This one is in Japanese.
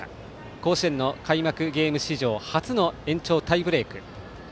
甲子園の開幕ゲーム史上初の延長タイブレーク。